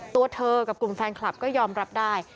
ตัวเธอกับกลุ่มแฟนคลับก็ยอมรับได้